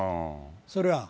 それは。